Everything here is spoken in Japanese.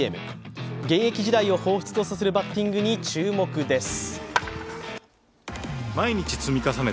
現役時代をほうふつとさせるバッティングに注目です。